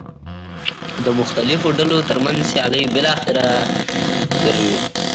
د مختلفو ډلو ترمنځ سیالۍ بالاخره دروي.